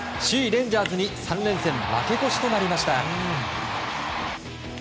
レンジャーズに３連戦負け越しとなりました。